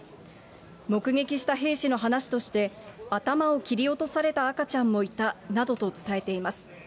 目撃した兵士の話として、頭を切り落とされた赤ちゃんもいたなどと伝えています。